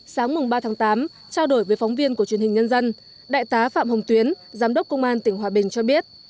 sáng ba tháng tám trao đổi với phóng viên của truyền hình nhân dân đại tá phạm hồng tuyến giám đốc công an tỉnh hòa bình cho biết